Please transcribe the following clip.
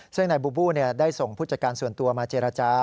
ซึ่งนายบูบูได้ส่งผู้จัดการส่วนตัวมาเจรจา